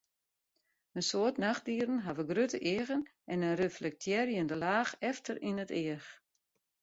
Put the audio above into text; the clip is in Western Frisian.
In soad nachtdieren hawwe grutte eagen en in reflektearjende laach efter yn it each.